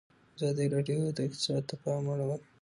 ازادي راډیو د اقتصاد ته پام اړولی.